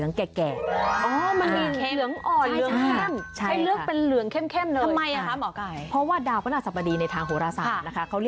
มันจะออกเหลืองแก่บัตตุประมาณนั้นนะคะ